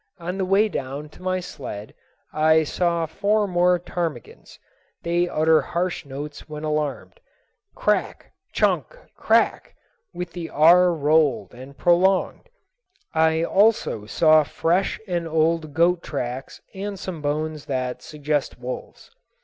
On the way down to my sled I saw four more ptarmigans. They utter harsh notes when alarmed. "Crack, chuck, crack," with the r rolled and prolonged. I also saw fresh and old goat tracks and some bones that suggest wolves.